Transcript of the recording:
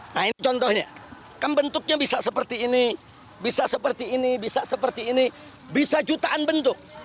nah ini contohnya kan bentuknya bisa seperti ini bisa seperti ini bisa seperti ini bisa jutaan bentuk